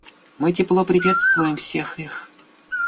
Мы тепло приветствуем всех их.